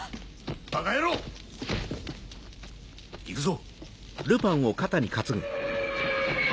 バカ野郎！行くぞ！